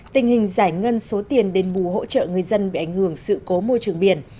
tình hình giải ngân số tiền đền bù hỗ trợ người dân bị ảnh hưởng sự cố môi trường biển